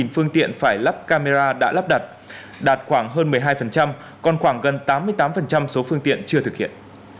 phương tiện phải lắp camera đã lắp đặt đạt khoảng hơn một mươi hai còn khoảng gần tám mươi tám số phương tiện chưa thực hiện